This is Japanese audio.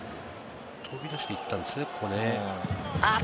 飛び出していったんですね、ここね。